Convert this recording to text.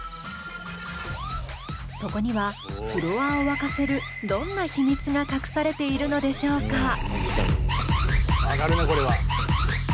そこにはフロアを沸かせるどんな秘密が隠されているのでしょうか？